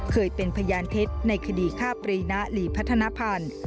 เคยเป็นพยานเท็จในคดีฆ่าปรีนะหลีพัฒนภัณฑ์